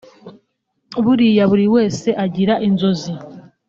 Buriya buri wese agira inzozi